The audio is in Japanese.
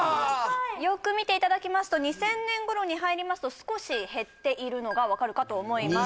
よく見ていただきますと２０００年頃に入りますと少し減っているのが分かるかと思います